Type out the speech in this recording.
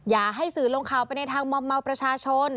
อย่าให้สื่อลงข่าวไปในทางมอมเมาประชาชน